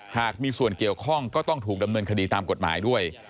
หากมีส่วนเกี่ยวข้องก็ต้องถูกดำเนินคดีตามกฎหมายด้วย